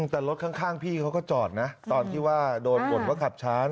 แต่รถข้างพี่เขาก็จอดนะตอนที่ว่าโดนบ่นว่าขับช้า